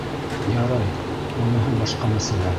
Ярай, уныһы башҡа мәсьәлә...